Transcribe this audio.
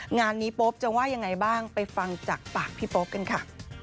งานนี้โป๊ปจะว่ายังไงบ้างไปฟังจากปากพี่โป๊ปกันค่ะ